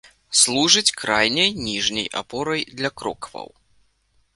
Служыць крайняй ніжняй апорай для крокваў.